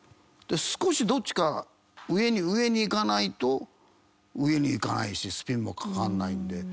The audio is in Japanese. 少しどっちかが上にいかないと上にいかないしスピンもかからないんで。